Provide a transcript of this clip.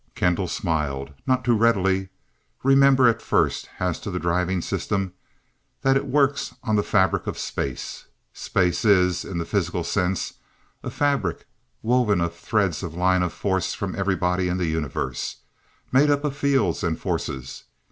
Kendall smiled. "Not too readily. Remember first, as to the driving system, that it works on the fabric of space. Space is, in the physical sense, a fabric woven of the threads of lines of force from every body in the universe, made up of fields and forces.